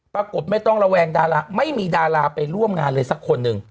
ปรากฏไม่ต้องระแวงดาราไม่มีดาราไปร่วมงานเลยสักคนหนึ่ง